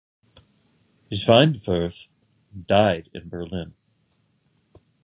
Schweinfurth died in Berlin.